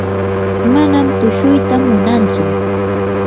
manam tushuyta munantsu.